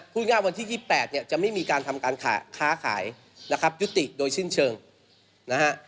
พูดง่ายวันที่๒๘เนี่ยจะไม่มีการทำการค้าขายนะครับยุติโดยสิ้นเชิงนะฮะ